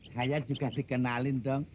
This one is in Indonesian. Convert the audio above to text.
saya juga dikenalin dong